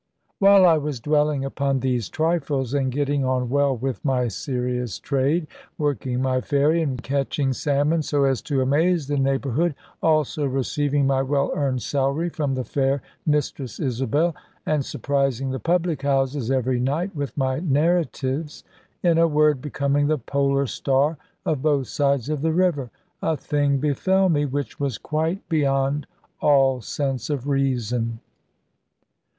While I was dwelling upon these trifles, and getting on well with my serious trade, working my ferry, and catching salmon so as to amaze the neighbourhood, also receiving my well earned salary from the fair Mistress Isabel, and surprising the public houses every night with my narratives in a word, becoming the polar star of both sides of the river a thing befell me which was quite beyond all sense of reason.